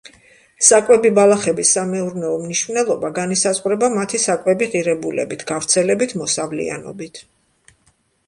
საკვები ბალახების სამეურნეო მნიშვნელობა განისაზღვრება მათი საკვები ღირებულებით, გავრცელებით, მოსავლიანობით.